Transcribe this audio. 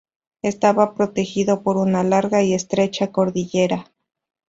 Estaba protegido por una larga y estrecha cordillera.